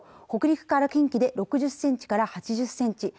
北陸から近畿で６０センチから８０センチ